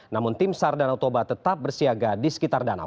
namun tim sar danau toba tetap bersiaga di sekitar danau